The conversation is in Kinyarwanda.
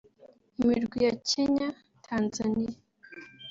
Imirwi ya Kenya Tanzania